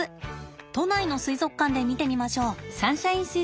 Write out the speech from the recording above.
都内の水族館で見てみましょう。